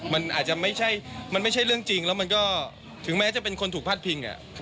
มันอาจจะไม่ใช่มันไม่ใช่เรื่องจริงแล้วมันก็ถึงแม้จะเป็นคนถูกพาดพิง